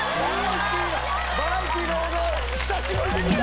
バラエティーの王道久しぶりに見た！